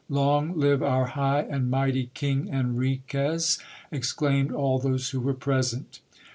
Long live our high and mighty King Enriquez ! exclaimed all those who were present.